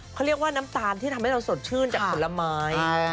เขาเรียกว่าน้ำตาลที่ทำให้เราสดชื่นจากผลไม้